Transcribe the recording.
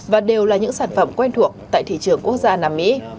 và đều là những sản phẩm quen thuộc tại thị trường quốc gia nam mỹ